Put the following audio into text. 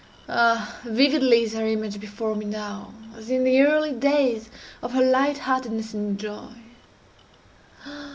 Ah, vividly is her image before me now, as in the early days of her light heartedness and joy!